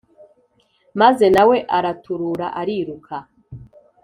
maze nawe araturura ariruka